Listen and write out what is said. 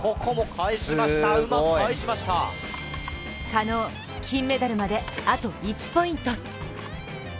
加納、金メダルまであと１ポイント。